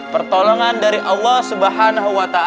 pertolongan dari allah swt